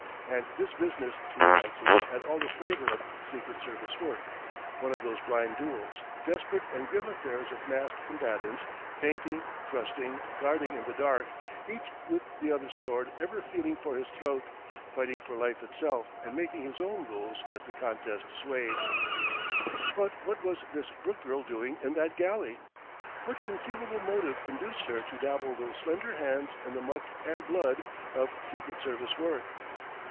And this business, he fancied, had all the flavour of Secret Service work one of those blind duels, desperate and grim affairs of masked combatants feinting, thrusting, guarding in the dark, each with the other's sword ever feeling for his throat, fighting for life itself and making his own rules as the contest swayed. But what was this Brooke girl doing in that galley? What conceivable motive induced her to dabble those slender hands in the muck and blood of Secret Service work?